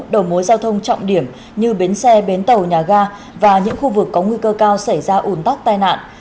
đầu mối giao thông trọng điểm như bến xe bến tàu nhà ga và những khu vực có nguy cơ cao xảy ra ủn tắc tai nạn